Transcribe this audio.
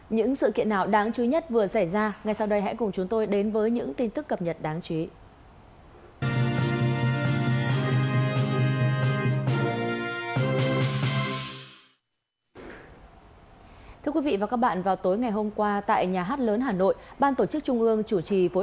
những sự kiện nào đáng chú ý nhất vừa xảy ra ngay sau đây hãy cùng chúng tôi đến với những tin tức cập nhật đáng chú ý